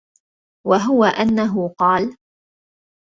وَهُوَ أَنَّهُ قَالَ